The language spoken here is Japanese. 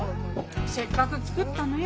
せっかく作ったのよ